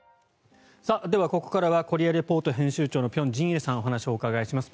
ここからは「コリア・レポート」編集長の辺真一さんにお話をお伺いします。